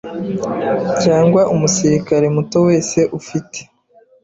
cyangwa umusirikare muto wese ufite